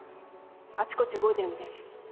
あちこち動いてるみたいです。